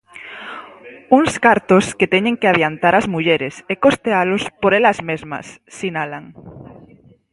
Uns cartos que teñen que adiantar as mulleres e costealos por elas mesmas, sinalan.